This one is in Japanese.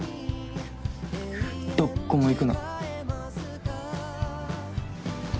どっこも行くな。